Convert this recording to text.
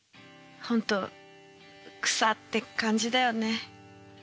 本当草って感じだよね。